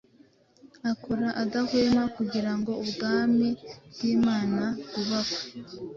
akora adahwema kugira ngo ubwami bw’Imana bwubakwe